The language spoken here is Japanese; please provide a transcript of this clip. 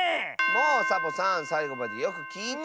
もうサボさんさいごまでよくきいて！